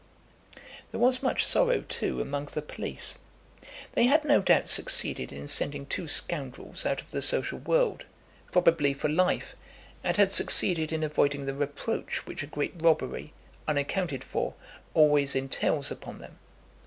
There was much sorrow, too, among the police. They had no doubt succeeded in sending two scoundrels out of the social world, probably for life, and had succeeded in avoiding the reproach which a great robbery, unaccounted for, always entails upon them.